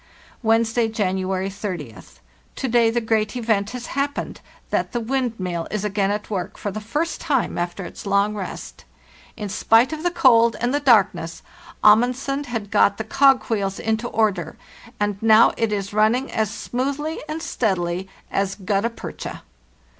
"Wednesday, January 30th. To day the great event has happened, that the windmill is again at work for the first time after its long rest. In spite of the cold and the darkness, Amundsen had got the cog wheels into order, and now it is running as smoothly and steadily as gutta percha."